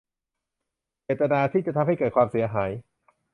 เจตนาที่จะทำให้เกิดความเสียหาย